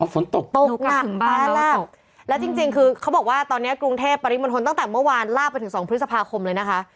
อ๋อฝนตกโดยกลับถึงบ้านแล้วว่าตกตกหนักต้านลากแล้วจริงคือเขาบอกว่าตอนนี้กรุงเทพฯปริมณฑลตั้งแต่เมื่อวานลากไปถึง๒พฤษภาคมเลยนะคะ